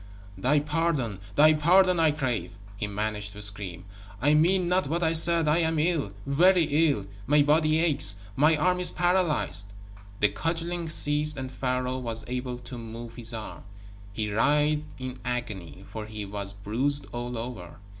"Thy pardon, thy pardon, I crave," he managed to scream. "I mean not what I said. I am ill very ill. My body aches. My arm is paralyzed." The cudgeling ceased and Pharaoh was able to move his arm. He writhed in agony, for he was bruised all over.